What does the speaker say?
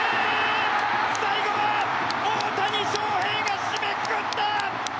最後は大谷翔平が締めくくった！